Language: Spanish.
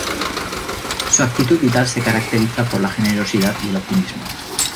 Su actitud vital se caracteriza por la generosidad y el optimismo.